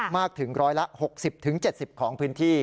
มากถึงร้อยละ๖๐๗๐ของพื้นที่